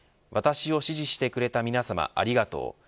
私を支持してくれた皆さまありがとう。